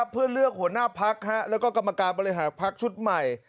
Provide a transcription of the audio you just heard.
เพื่อเลือกหัวหน้าพักแล้วก็กรรมการบริหารพักชุดใหม่